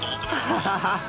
ハハハッ。